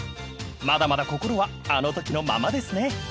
［まだまだ心はあのときのままですね］